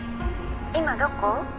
今どこ？